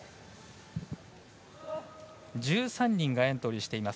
１３人がエントリーしています。